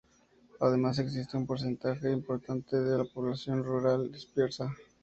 Además existe un porcentaje importante de población rural dispersa.